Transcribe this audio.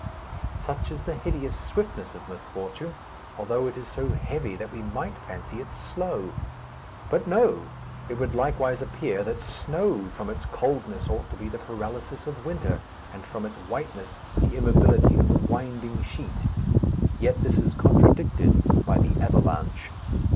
Such is the hideous swiftness of misfortune, although it is so heavy that we might fancy it slow. But no! It would likewise appear that snow, from its coldness, ought to be the paralysis of winter, and, from its whiteness, the immobility of the winding sheet. Yet this is contradicted by the avalanche.